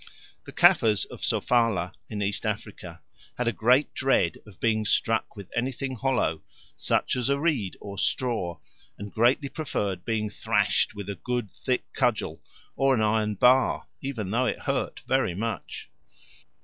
The Caffres of Sofala, in East Africa, had a great dread of being struck with anything hollow, such as a reed or a straw, and greatly preferred being thrashed with a good thick cudgel or an iron bar, even though it hurt very much.